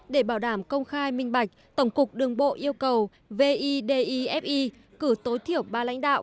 để bảo đảm công khai minh bạch tổng cục đường bộ yêu cầu vi di fe cử tối thiểu ba lãnh đạo